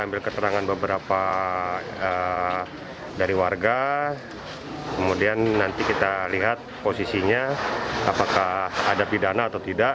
ambil keterangan beberapa dari warga kemudian nanti kita lihat posisinya apakah ada pidana atau tidak